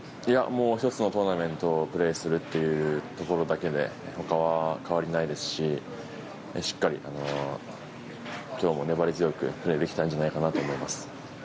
１つのトーナメントをプレーするということで他は変わりないですししっかりと粘り強くプレーできたんじゃないかなと思います。